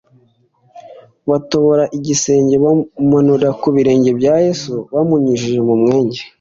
Batobora igisenge bamumanurira ku birenge bya Yesu, bamunyujije mu mwenge.